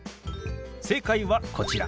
正解はこちら。